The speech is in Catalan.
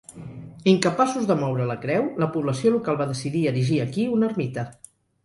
Incapaços de moure la creu, la població local va decidir erigir aquí una ermita.